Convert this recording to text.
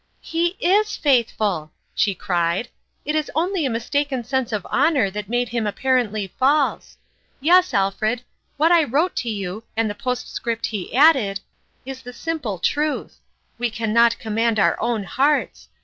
" He is faithful !" she cried. " It is only a mistaken sense of honor that made him ap parently false. Yes, Alfred, what I wrote to you, and the postscript he added, is the sim ple truth. We can not command our own hearts.